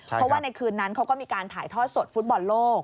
เพราะว่าในคืนนั้นเขาก็มีการถ่ายทอดสดฟุตบอลโลก